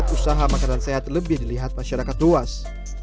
tetapi dengan mendatangkan kotak kotaknya untuk orang itu tidak perlu katakan dulu hari